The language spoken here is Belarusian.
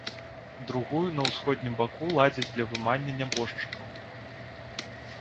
Другую на ўсходнім баку ладзяць для вымання нябожчыкаў.